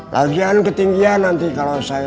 lagian ketinggian nanti kalau saya